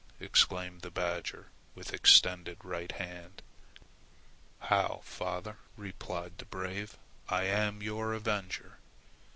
exclaimed the badger with extended right hand. "How, father," replied the brave; "I am your avenger!"